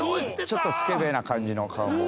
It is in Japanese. ちょっとスケベな感じの顔も。